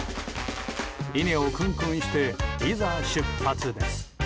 稲をくんくんしていざ、出発です。